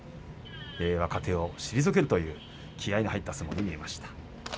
若手を退けるという気合いの入った相撲に見えました。